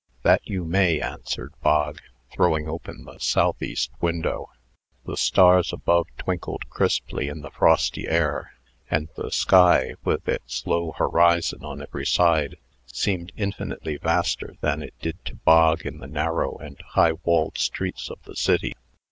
"That you may!" answered Bog, throwing open the southeast window. The stars above twinkled crisply in the frosty air; and the sky, with its low horizon on every side, seemed infinitely vaster than it did to Bog in the narrow and high walled streets of the city.